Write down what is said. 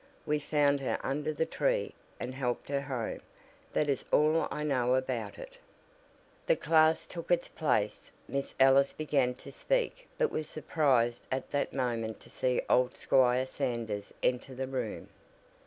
We found her under the tree, and helped her home. That is all I know about it." The class took its place. Miss Ellis began to speak but was surprised at that moment to see old Squire Sanders enter the room.